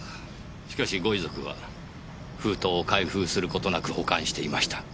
しかしご遺族は封筒を開封する事なく保管していました。